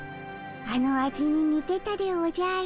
あの味ににてたでおじゃる。